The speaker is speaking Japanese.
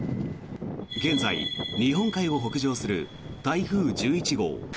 現在、日本海を北上する台風１１号。